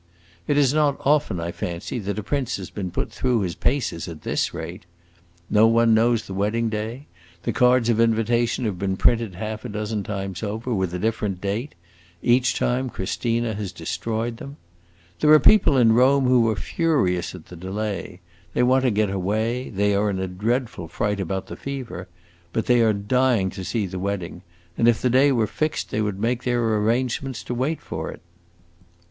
It is not often, I fancy, that a prince has been put through his paces at this rate. No one knows the wedding day; the cards of invitation have been printed half a dozen times over, with a different date; each time Christina has destroyed them. There are people in Rome who are furious at the delay; they want to get away; they are in a dreadful fright about the fever, but they are dying to see the wedding, and if the day were fixed, they would make their arrangements to wait for it.